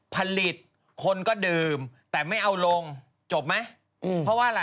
ผลิตคนก็ดื่มแต่ไม่เอาลงจบไหมเพราะว่าอะไร